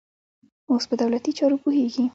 اوس په دولتي چارو پوهېږي.